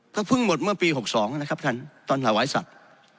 ก็เพิ่งหมดเมื่อปี๖๒นะครับท่านตอนถวายสัตว์